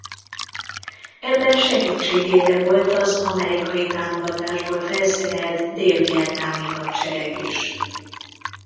Ebben segítségére volt az amerikai támogatásból felszerelt dél-vietnámi hadsereg is.